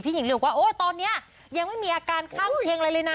หญิงเลยบอกว่าโอ๊ยตอนนี้ยังไม่มีอาการข้างเคียงอะไรเลยนะ